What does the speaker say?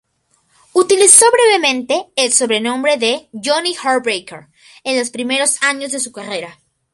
Utilizó brevemente el sobrenombre de Johnny Heartbreaker en los primeros años de su carrera.